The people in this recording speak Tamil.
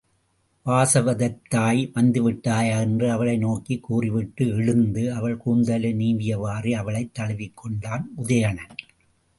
வாசவதத்தாய் வந்துவிட்டாயா? என்று அவளை நோக்கிக் கூறிவிட்டு எழுந்து, அவள் கூந்தலை நீவியவாறே அவளைத் தழுவிக் கொண்டான் உதயணன்.